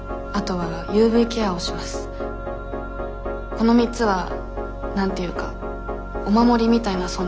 この３つは何て言うかお守りみたいな存在です。